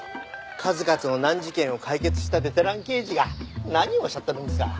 数々の難事件を解決したベテラン刑事が何をおっしゃってるんですか。